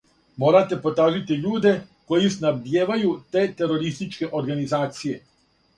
Морате потражити људе који снабдијевају те терористичке организације.